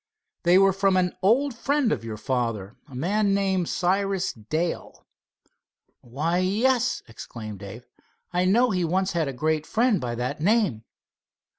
"They were from an old friend of your father, a man named Cyrus Dale." "Why, yes," exclaimed Dave, "I know he once had a great friend by that name."